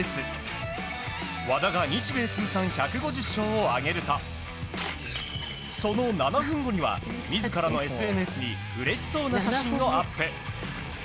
和田が日米通算１５０勝を挙げるとその７分後には、自らのＳＮＳにうれしそうな写真をアップ。